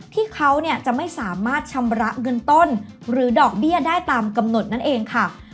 ที่เขาจะไม่สามารถชำระเงินต้นหรือดอกเบี้ยได้ตามกำหนดนั่นเองค่ะ